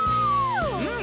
うん。